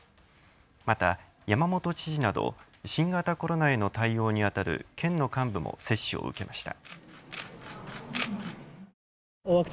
また山本知事など新型コロナへの対応にあたる県の幹部も接種を受けました。